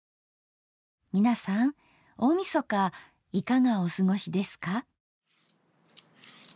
皆さん大みそかいかがお過ごしですか？